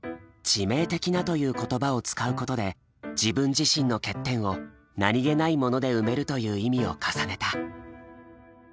致命的なという言葉を使うことで自分自身の欠点を何気ないもので埋めるという意味を重ねた。